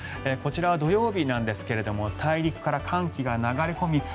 こちらは土曜日なんですが大陸から寒気が流れ込み